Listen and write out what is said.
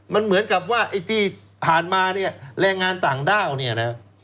มันเหมือนกับว่าที่ผ่านมาแรงงานต่างดาว